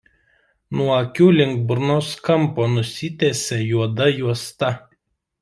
Nuo akių link burnos kampo nusitęsia juoda juosta.